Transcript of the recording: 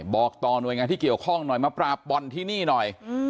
บอกต่อหน่วยงานที่เกี่ยวข้องหน่อยมาปราบบ่อนที่นี่หน่อย